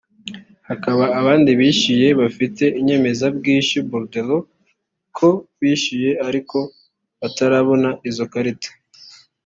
hakaba abandi bishyuye bafite inyemezabwishyu [borderaux] ko bishyuye ariko batarabona izo karita